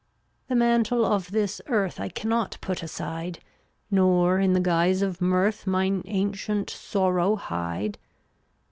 371 The mantle of this earth I cannot put aside, Nor in the guise of mirth Mine ancient sorrow hide.